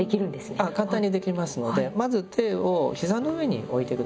あっ簡単にできますのでまず手を膝の上に置いて下さい。